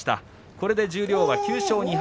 これで十両は９勝２敗